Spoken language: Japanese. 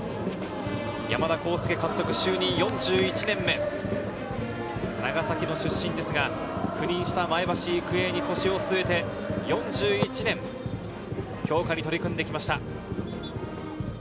山田耕介監督就任４１年目、長崎の出身ですが、赴任した前橋育英に腰を据えて４１年、強化に取り組んできました。